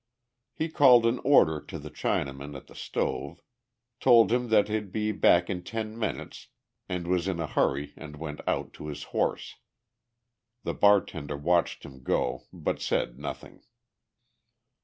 He called an order to the Chinaman at the stove, told him that he'd be back in ten minutes and was in a hurry and went out to his horse. The bartender watched him go but said nothing.